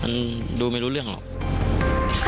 มันดูไม่รู้เรื่องหรอก